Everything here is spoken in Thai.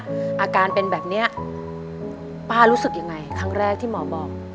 อาการเป็นแบบเนี้ยป้ารู้สึกยังไงครั้งแรกที่หมอบอก